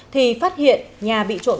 thì phát hiện nhà bị trộn